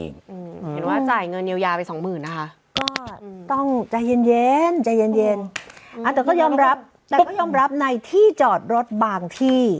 เห็นว่าจ่ายเงินเยียวยาไปสองหมื่นนะคะก็ต้องใจเย็นใจเย็นแต่ก็ยอมรับแต่ก็ยอมรับในที่จอดรถบางที่